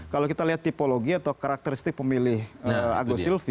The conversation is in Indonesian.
kalau kita lihat tipologi atau karakteristik pemilih agus silvi